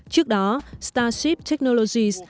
trước đó starship technologies